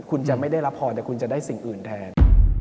คุณจะไม่ได้รับพรแต่คุณจะได้สิ่งอื่นแทน